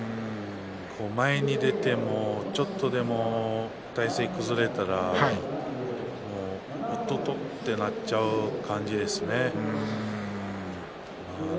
前に出てちょっとでも体勢が崩れたらおっとっととなっちゃう感じですね。